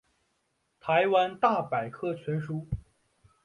台湾大百科全书